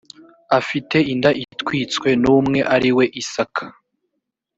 afite inda atwitswe n umwe ari we isaka